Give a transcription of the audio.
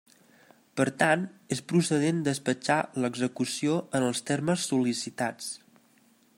Per tant, és procedent despatxar l'execució en els termes sol·licitats.